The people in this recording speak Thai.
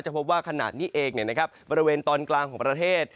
พบว่าขณะนี้เองบริเวณตอนกลางของประเทศ